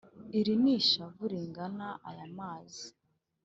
iri ni ishavu ringana aya mazi,